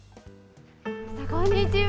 こんにちは。